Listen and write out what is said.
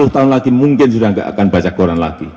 sepuluh tahun lagi mungkin sudah tidak akan baca koran lagi